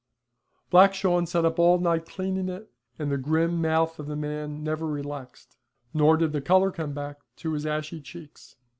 Black Shawn sat up all night cleaning it, and the grim mouth of the man never relaxed, nor did the colour come back to his ashy cheeks.